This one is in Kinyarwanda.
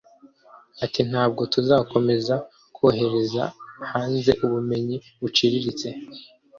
Ati “Ntabwo tuzakomeza kohereza hanze ubumenyi buciriritse